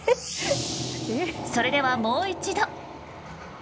それではもう一度。